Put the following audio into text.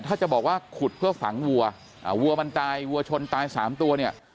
ถ้าจะบอกว่าขุดเพื่อฝังวัววัวมันตายวัวชนตายสามตัวเนี่ย